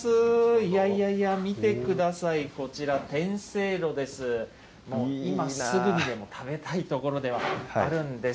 いやいやいや、見てください、こちら、天せいろです。